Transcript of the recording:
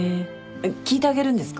聞いてあげるんですか？